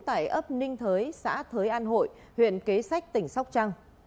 tại ấp ninh thới xã thới an hội huyện kế sách tỉnh sóc trăng